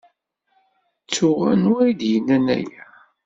Ttuɣ anwa ay d-yennan aya.